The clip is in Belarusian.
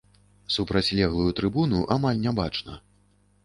Супрацьлеглую трыбуну амаль не бачна.